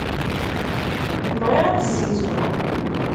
Bɣiɣ ad d-ssegzuɣ.